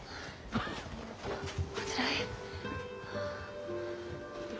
こちらへ。